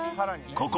ここ